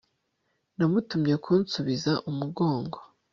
namutumye kunsubiza umugongo